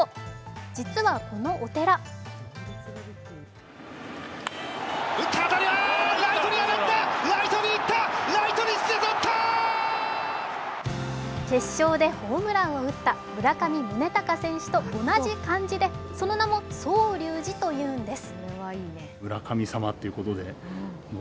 実はこのお寺決勝でホームランを打った村上宗隆選手と同じ漢字でその名も宗隆寺というんです。